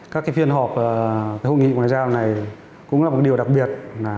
các phiên họp hội nghị ngoại giao này cũng là một điều đặc biệt